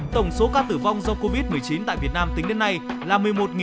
tổng số ca tử vong do covid một mươi chín tại việt nam tính đến nay là một mươi một ca